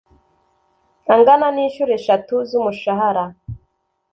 angana n inshuro esheshatu z umushahara